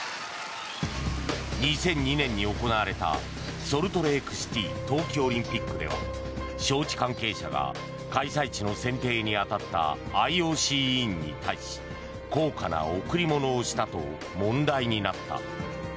２００２年に行われたソルトレークシティー冬季オリンピックでは招致関係者が開催地の選定に当たったＩＯＣ委員に対し高価な贈り物をしたと問題になった。